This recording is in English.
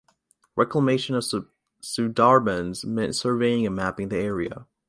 Reclamation of the Sundarbans meant surveying and mapping the area.